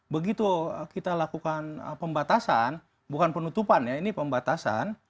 begitu kita lakukan pembatasan bukan penutupan ya ini pembatasan